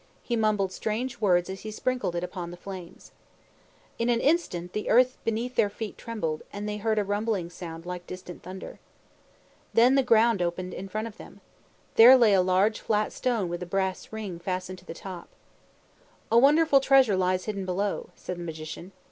He mumbled strange words as he sprinkled it upon the flames. In an instant, the earth beneath their feet trembled, and they heard a rumbling sound like distant thunder. Then the ground opened in front of them. There lay a large flat stone with a brass ring fastened to the top. "A wonderful treasure lies hidden below," said the Magician.